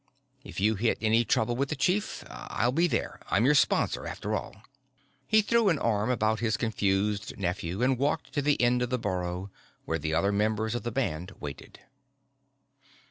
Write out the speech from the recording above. If you hit any trouble with the chief, I'll be there. I'm your sponsor, after all." He threw an arm about his confused nephew and walked to the end of the burrow where the other members of the band waited.